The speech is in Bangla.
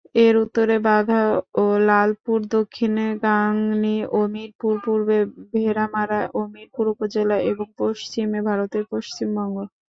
এর উত্তরে বাঘা ও লালপুর, দক্ষিণে গাংনী ও মিরপুর, পুর্বে ভেড়ামারা ও মিরপুর উপজেলা এবং পশ্চিমে ভারতের পশ্চিমবঙ্গ।